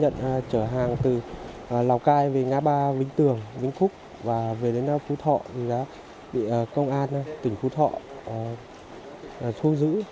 tôi nhận trở hàng từ lào cai về nga ba vĩnh tường vĩnh khúc và về đến phú thọ thì đã bị công an tỉnh phú thọ thu giữ